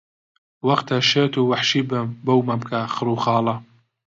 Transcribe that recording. وەختە شێت و وەحشی بم بەو مەمکە خڕ و خۆڵە